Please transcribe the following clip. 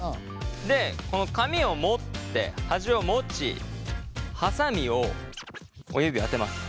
でこの紙を持って端を持ちハサミを親指あてます。